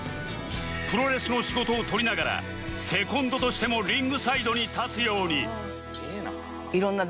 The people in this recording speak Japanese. プロレスの仕事を取りながらセコンドとしてもリングサイドに立つように